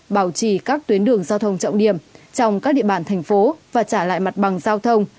bảo trì các tuyến đường giao thông trọng điểm trong các địa bàn thành phố và trả lại mặt bằng giao thông